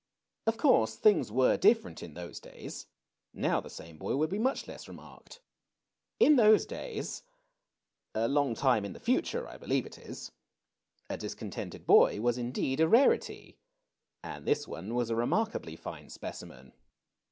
Of course^ things were different in those days. Now, the same boy would be much less remarked. In those days — a long time in the future, I believe it is — a discontented boy was indeed a rarity ; and this one was a remarkably fine specimen.